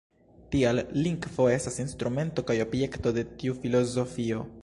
Tial lingvo estas instrumento kaj objekto de tiu filozofio.